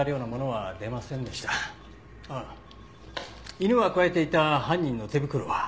犬がくわえていた犯人の手袋は？